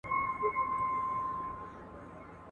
.د هر اواز سره واخ، واخ پورته کړي.